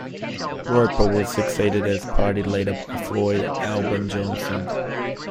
Roper was succeeded as party leader by Floyd Albin Johnson.